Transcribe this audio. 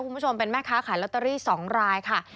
คุณผู้ชมเป็นแม่ค้าขายลอตเตอรี่๒รายค่ะ